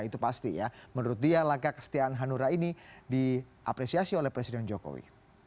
itu pasti ya menurut dia langkah kestian hanura ini diapresiasi oleh presiden jokowi